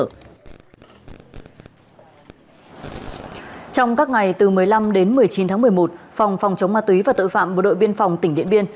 trong các ngày từ một mươi năm đến một mươi chín tháng một mươi một phòng phòng chống ma túy và tội phạm bộ đội biên phòng tỉnh điện biên